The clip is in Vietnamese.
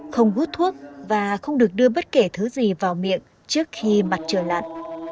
không hút thuốc và không được đưa bất kể thứ gì vào miệng trước khi mặt trời lặn